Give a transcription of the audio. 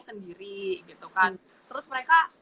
sendiri gitu kan terus mereka